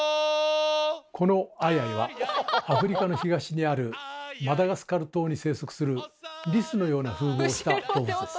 このアイアイはアフリカの東にあるマダガスカル島に生息するリスのような風貌をした動物です。